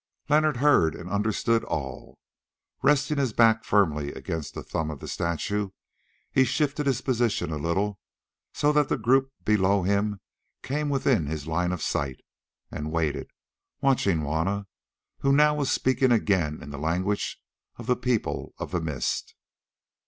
Leonard heard and understood all. Resting his back firmly against the thumb of the statue, he shifted his position a little so that the group below him came within his line of sight, and waited, watching Juanna, who now was speaking again in the language of the People of the Mist.